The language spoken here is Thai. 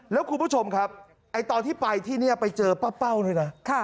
แล้วคุณผู้ชมครับตอนที่ไปที่นี่ไปเจอป้าเป้าด้วยนะ